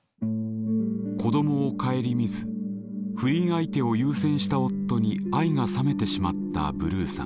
子どもを顧みず不倫相手を優先した夫に愛が冷めてしまったブルーさん。